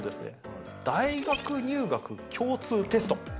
大学入学共通テスト